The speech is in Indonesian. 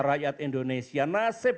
rakyat indonesia nasib